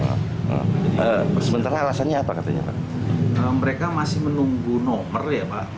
mereka masih menunggu nomor ya pak menunggu nomor